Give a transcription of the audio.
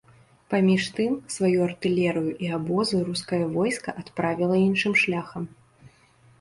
Паміж тым, сваю артылерыю і абозы рускае войска адправіла іншым шляхам.